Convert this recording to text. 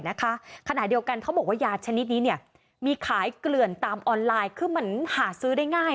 ขณะเดียวกันเขาบอกว่ายาชนิดนี้เนี่ยมีขายเกลื่อนตามออนไลน์คือมันหาซื้อได้ง่าย